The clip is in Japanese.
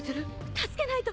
助けないと！